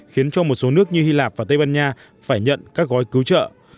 khiến cho một số nước như hy lạp và tây ban nha phải nhận các gói cứu trợ